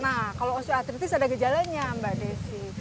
nah kalau osoatritis ada gejalanya mbak desi